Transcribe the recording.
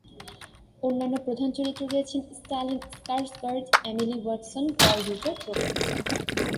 অন্যান্য প্রধান চরিত্রে রয়েছেন Stellan Skarsgard, Emily Watson, Paul Ritter প্রমুখ।